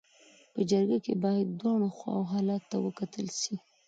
په جرګه کي باید د دواړو خواو حالت ته وکتل سي.